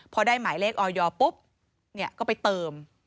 พอได้หมายเลขออยปุ๊บก็ไปเติม